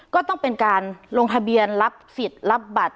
ก็ต้องเป็นการลงทะเบียนรับสิทธิ์รับบัตร